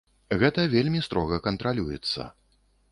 Гэта вельмі строга кантралюецца.